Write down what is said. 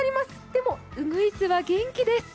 でも、うぐいすは元気です。